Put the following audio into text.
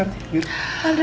yuk biar aku beli